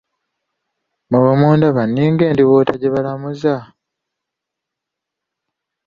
Mwe bwemundaba ninga endiboota gye balamuza?